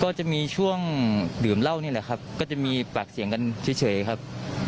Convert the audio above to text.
ก็จะมีช่วงดื่มเหล้านี่แหละครับก็จะมีปากเสียงกันเฉยครับ